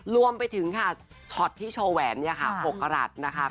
รวมไปถึงค่ะช็อตที่โชว์แหวนเนี่ยค่ะ๖กรัฐนะคะ